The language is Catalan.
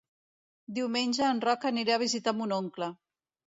Diumenge en Roc anirà a visitar mon oncle.